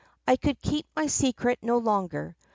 I could keep my secret no longer.